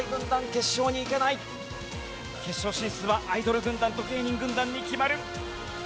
決勝進出はアイドル軍団と芸人軍団に決まる。